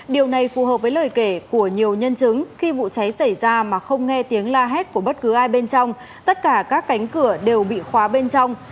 điều này phù hợp với lời kể của nhiều nhân chứng khi vụ cháy xảy ra mà không nghe tiếng la hét của bất cứ ai bên trong tất cả các cánh cửa đều bị khóa bên trong